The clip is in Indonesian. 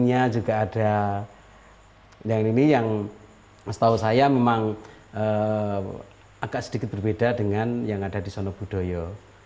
sebelumnya juga ada yang ini yang setahu saya memang agak sedikit berbeda dengan yang ada di sonobudoyo